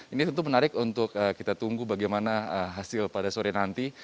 ini tentu menarik untuk kita tunggu bagaimana hasil pada sore nanti